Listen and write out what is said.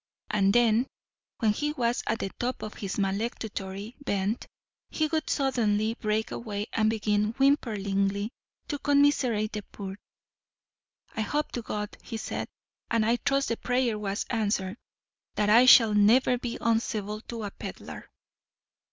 And then, when he was at the top of his maledictory bent, he would suddenly break away and begin whimperingly to commiserate the poor. 'I hope to God,' he said,—and I trust the prayer was answered,—'that I shall never be uncivil to a pedlar.